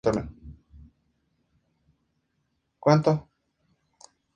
Familia Barnard